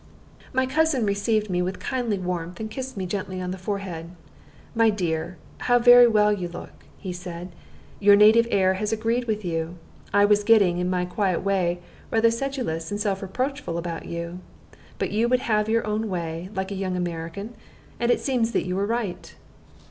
My cousin received me with kindly warmth, and kissed me gently on the forehead. "My dear, how very well you look!" he said. "Your native air has agreed with you. I was getting, in my quiet way, rather sedulous and self reproachful about you. But you would have your own way, like a young American; and it seems that you were right."